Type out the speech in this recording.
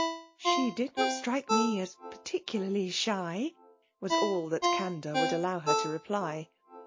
'' She did not strike me as particularly shy/' ^as all that candour would allow her to reply.